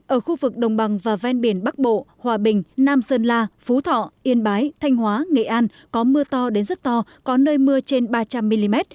ở khu vực đồng bằng và ven biển bắc bộ hòa bình nam sơn la phú thọ yên bái thanh hóa nghệ an có mưa to đến rất to có nơi mưa trên ba trăm linh mm